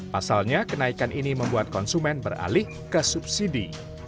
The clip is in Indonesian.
pasalnya kenaikan ini membuat konsumen beralih ke subsidi